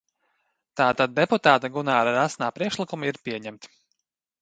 Tātad deputāta Gunāra Resnā priekšlikumi ir pieņemti.